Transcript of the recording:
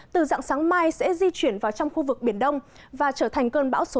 từ dạng sáng mai sẽ di chuyển vào trong khu vực biển đông và trở thành cơn bão số năm